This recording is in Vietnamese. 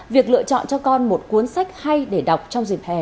việc lựa chọn cho con một cuốn sách hay để đọc trong dịp hè